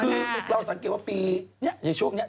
คือทุกคนสังเกตุว่าปีเนี้ยในช่วงเนี้ย